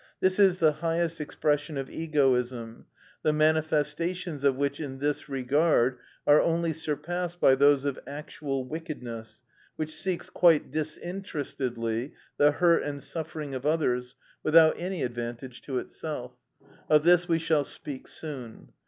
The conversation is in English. This is the highest expression of egoism, the manifestations of which in this regard are only surpassed by those of actual wickedness, which seeks, quite disinterestedly, the hurt and suffering of others, without any advantage to itself. Of this we shall speak soon.